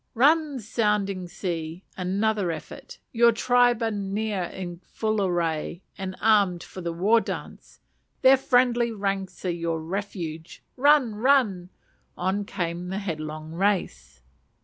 Run, "Sounding Sea;" another effort! your tribe are near in full array, and armed for the war dance; their friendly ranks are your refuge: run! run! On came the headlong race.